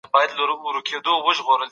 څنګه ګمرک پر نورو هیوادونو اغیز کوي؟